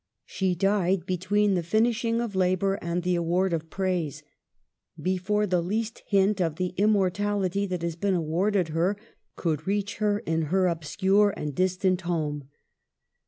She died, between the finishing of labor and the award of praise. Before the least hint of the immortality that has been awarded her could reach her in her obscure and distant home.